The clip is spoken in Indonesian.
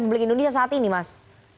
maksudnya republik indonesia saat ini mas